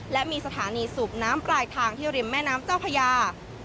และมีสถานีสูบน้ำปลายทางที่ริมแม่น้ำเจ้าพญา